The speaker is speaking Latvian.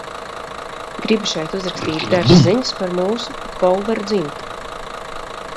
Gribu šeit uzrakstīt dažas ziņas par mūsu – Golveru dzimtu.